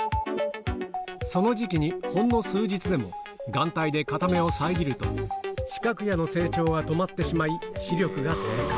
その時期にほんの数日でも、眼帯で片目を遮ると、視覚野の成長が止まってしまい、視力が低下。